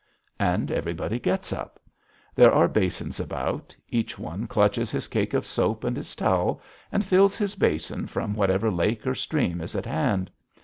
And everybody gets up. There are basins about. Each one clutches his cake of soap and his towel, and fills his basin from whatever lake or stream is at hand.